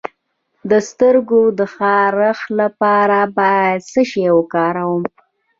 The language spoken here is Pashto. د سترګو د خارښ لپاره باید څه شی وکاروم؟